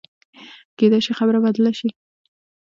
کېدای شي خبره بدله شي.